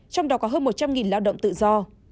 trong đó có hơn một trăm linh lao động tự do